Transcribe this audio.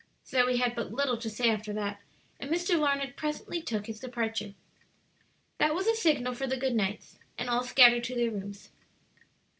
Zoe had but little to say after that, and Mr. Larned presently took his departure. That was a signal for the good nights, and all scattered to their rooms.